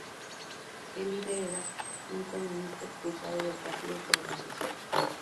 El líder era un comunista expulsado del partido por homosexual.